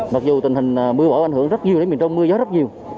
mặc dù tình hình mưa bỏ ảnh hưởng rất nhiều miền trong mưa gió rất nhiều